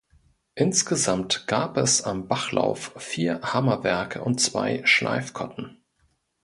Insgesamt gab es am Bachlauf vier Hammerwerke und zwei Schleifkotten.